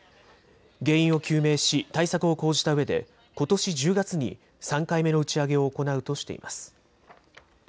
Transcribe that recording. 原因を究明し対策を講じたうえでことし１０月に３回目の打ち上げを行うとしています。